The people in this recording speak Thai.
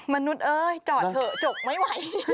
มนุษย์เอ้ยจอดเถอะจกไม่ไหว